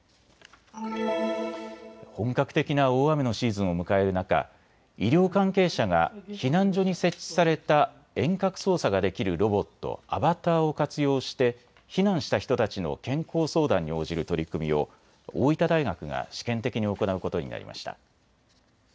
本格的な大雨のシーズンを迎える中、医療関係者が避難所に設置された遠隔操作ができるロボット、アバターを活用して避難した人たちの健康相談に応じる取り組みを大分大学が試験的に行うことになりました。